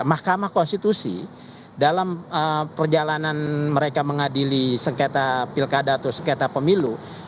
mahkamah konstitusi dalam perjalanan mereka mengadili sengketa pilkada atau sengketa pemilu